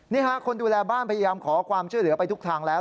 นี่ฮะคนดูแลบ้านพยายามขอความช่วยเหลือไปทุกทางแล้ว